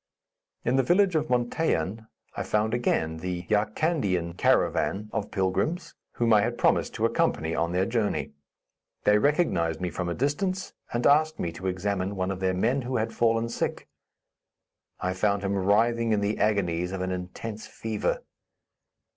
In the village of Montaiyan, I found again the Yarkandien caravan of pilgrims, whom I had promised to accompany on their journey. They recognized me from a distance, and asked me to examine one of their men, who had fallen sick. I found him writhing in the agonies of an intense fever.